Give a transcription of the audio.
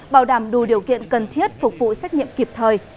bảo đảm đủ điều kiện cần thiết phục vụ xét nghiệm kịp thời